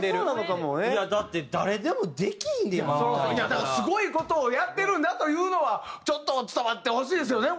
だからすごい事をやってるんだというのはちょっと伝わってほしいですよね